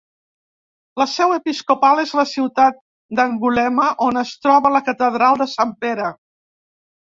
La seu episcopal és la ciutat d'Angulema, on es troba la catedral de sant Pere.